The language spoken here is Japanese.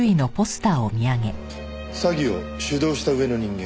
詐欺を主導した上の人間